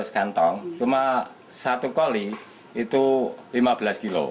lima belas kantong cuma satu koli itu lima belas kilo